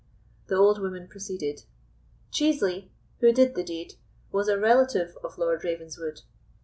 The old woman proceeded: "Chiesley, who did the deed, was a relative of Lord Ravenswood.